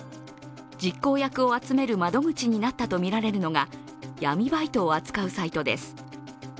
実行役を集める窓口になったとみられるのが闇バイトを集めるサイトです。